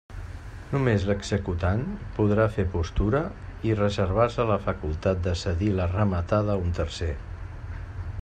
Només l'executant podrà fer postura i reservar-se la facultat de cedir la rematada a un tercer.